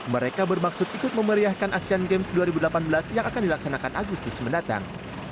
mereka bermaksud ikut memeriahkan asean games dua ribu delapan belas yang akan dilaksanakan agustus mendatang